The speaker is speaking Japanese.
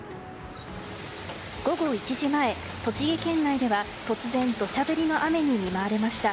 午後１時前、栃木県内では突然土砂降りの雨に見舞われました。